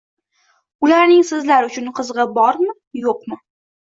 Ularning sizlar uchun qizig’i bormi-yo’qmi?